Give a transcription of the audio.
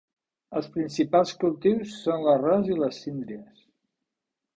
Els principals cultius són l'arròs i les síndries.